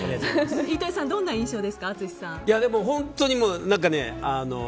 飯豊さん、どんな印象ですか淳さん。